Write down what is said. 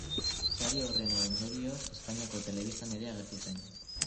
Sari horren ondorioz, Espainiako Telebistan ere agertu zen.